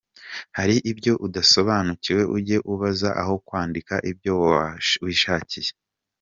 Hari ibyo udasobanukiwe ujye ubaza aho kwandika ibyo wishakiye.